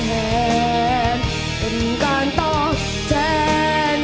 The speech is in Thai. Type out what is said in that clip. เธอไม่เคยห่วงแหง